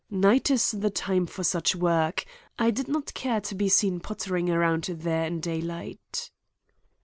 "Night is the time for such work. I did not care to be seen pottering around there in daylight."